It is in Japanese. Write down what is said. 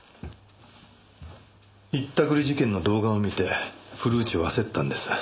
ひったくり事件の動画を見て古内は焦ったんです。